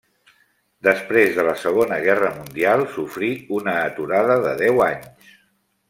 Després de la Segona Guerra Mundial sofrí una aturada de deu anys.